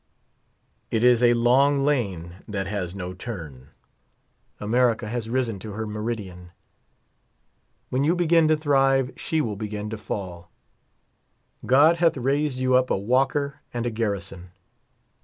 It is a long lane that has no turn. America has risen to her meridian. When you begin to thrive, she will begin to fall. God hath raised you up a Walker and a Garrison.